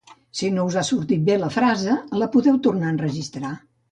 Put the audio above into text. si no us ha sortit bé la frase la podeu tornar a enregistrar